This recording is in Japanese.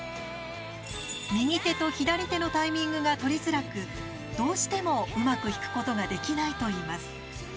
右手と左手のタイミングがとりづらくどうしてもうまく弾くことが出来ないといいます。